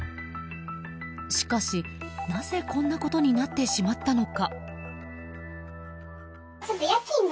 しかし、なぜこんなことになってしまったのか。